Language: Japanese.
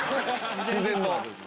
自然の。